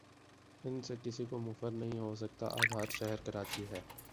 ان سے کسی کو مفر نہیں ہو سکتا اب ہر شہر کراچی ہے۔